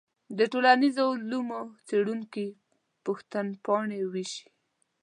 د ټولنیزو علومو څېړونکي پوښتنپاڼې ویشي.